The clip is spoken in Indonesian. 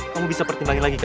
kamu bisa pertimbangin lagi kak